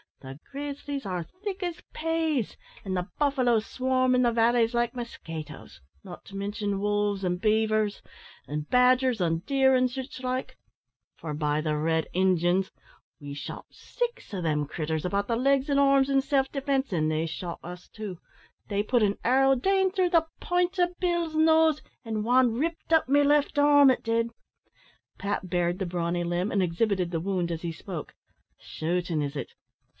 The grizzlies are thick as paes, and the buffaloes swarm in the valleys like muskaitoes, not to mintion wolves, and beavers, and badgers, and deer, an' sich like forby the red Injuns; we shot six o' them critters about the legs an' arms in self defence, an' they shot us too they put an arrow dane through the pint o' Bill's nose, an' wan ripped up me left arm, it did." (Pat bared the brawny limb, and exhibited the wound as he spoke.) "Shootin', is it?